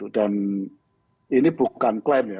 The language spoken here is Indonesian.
dan ini bukan klaim ya